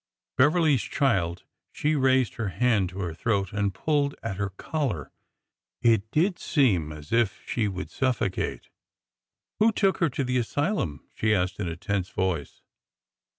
^ Beverly's child ! She raised her hand to her throat and pulled at her collar. It did seem as if she would suffocate. Who took her to the asylum? " she asked in a tense voice.